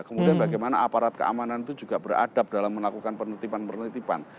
kemudian bagaimana aparat keamanan itu juga beradab dalam melakukan penertiban penertiban